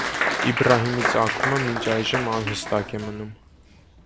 Իբրահիմի ծագումը մինչ այժմ անհստակ է մնում։